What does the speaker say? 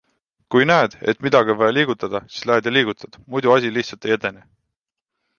Kui näed, et midagi on vaja liigutada, siis lähed ja liigutad, muidu asi lihtsalt ei edene.